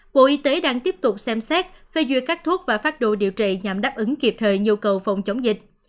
bộ y tế đang tiếp tục xem xét phê duyệt các thuốc và phát đồ điều trị nhằm đáp ứng kịp thời nhu cầu phòng chống dịch